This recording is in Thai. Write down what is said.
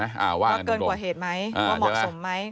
ว่าเกินกว่าเหตุไหมว่าเหมาะสมไหม